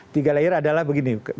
tiga layer adalah begini